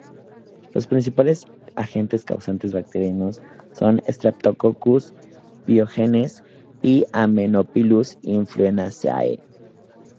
Los principales agentes causantes bacterianos son "Streptococcus pyogenes" y "Haemophilus influenzae".